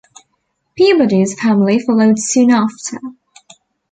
Peabody's family followed soon after.